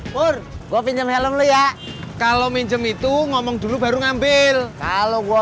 pur gua pinjam helm lu ya kalau minjem itu ngomong dulu baru ngambil kalau gua